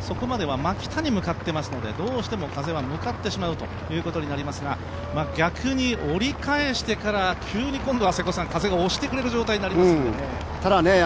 そこまでは真北に向かっていますので、選手たちは風は向かってしまうということになりますが逆に、折り返してから急に今度は風が押してくれる状態になりますからね。